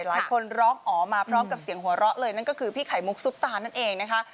หลายคนร้องอ๋อมาพร้อมกับเสียงหัวเราะเลยนั่นก็คือพี่ไข่มุกซุปตานั่นเองนะคะ